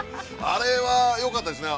◆あれはよかったですね。